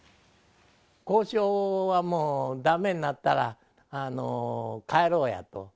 交渉はもうだめになったら、帰ろうやと。